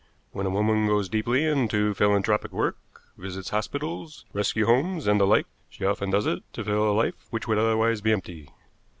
When a woman goes deeply into philanthropic work, visits hospitals, rescue homes, and the like, she often does it to fill a life which would otherwise be empty.